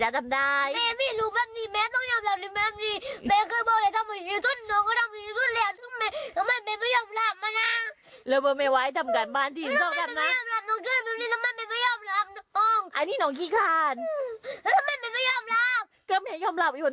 ก็ทำแบบนั้นไม่ได้